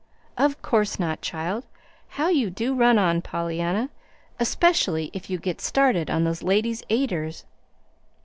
"Of course not, child! How you do run on, Pollyanna, especially if you get started on those Ladies' Aiders!"